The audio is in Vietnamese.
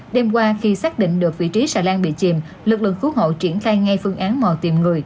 đêm qua khi xác định được vị trí xà lan bị chìm lực lượng cứu hộ triển khai ngay phương án mò tìm người